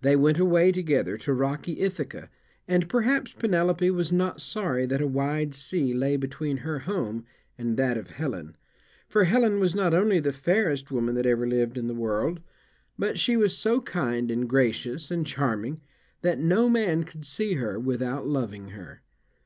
They went away together to rocky Ithaca, and perhaps Penelope was not sorry that a wide sea lay between her home and that of Helen; for Helen was not only the fairest woman that ever lived in the world, but she was so kind and gracious and charming that no man could see her without loving her.